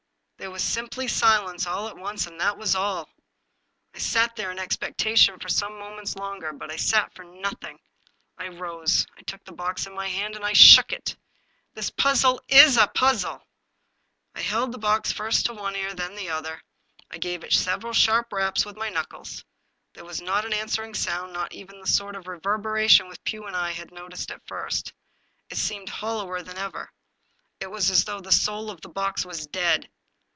There was simply silence all at once, and that was all. I sat there in expectation for some mo ments longer. But I sat for nothing. I rose. I took the box in my hand. I shook it. " This puzzle is a puzzle.'* I held the box first to one ear, then to the other. I gave it several sharp raps with my knuckles. There was not an answering sound, not even the sort of reverberation which Pugh and I had noticed at first. It seemed hollower than ever. It was as though the soul of the box was dead.